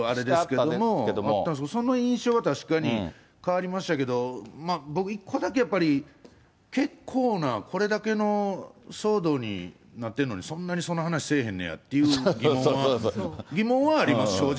その印象は確かに変わりましたけど、僕、一個だけやっぱり、結構なこれだけの騒動になってるのに、そんなにその話せえへんのやっていう疑問は、疑問はあります、正直。